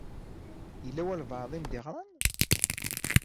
Yella walebɛaḍ i m-d-iɣṛan?